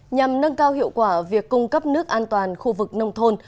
nhằm nâng cao hiệu quả việc cung cấp nước an toàn khu vực nông thôn